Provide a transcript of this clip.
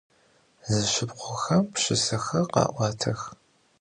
Zeşşıpxhuxem pşşısexer kha'uatex.